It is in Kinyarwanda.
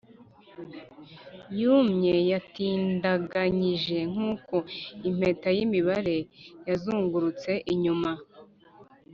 yumye yatindiganyije nkuko impeta yimibare yazungurutse inyuma